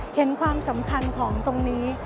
เห็นความสำคัญของตรงนี้